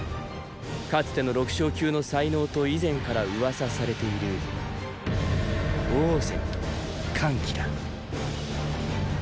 かつての六将級の“才能”と以前から噂されている王翦と桓騎だ。